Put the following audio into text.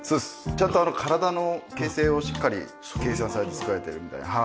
ちゃんと体の形成をしっかり計算されて作られているみたいではい。